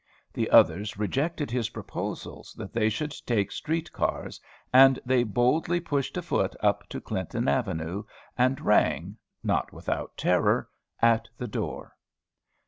The others rejected his proposals that they should take street cars, and they boldly pushed afoot up to Clinton Avenue, and rang, not without terror, at the door.